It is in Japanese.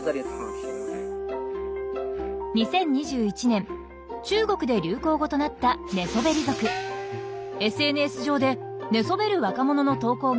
２０２１年中国で流行語となったＳＮＳ上で寝そべる若者の投稿が相次ぎました。